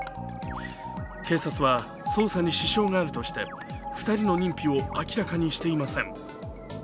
警察は捜査に支障があるとして２人の認否を明らかにしていません。